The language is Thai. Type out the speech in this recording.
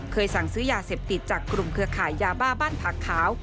สั่งซื้อยาเสพติดจากกลุ่มเครือข่ายยาบ้าบ้านผักขาว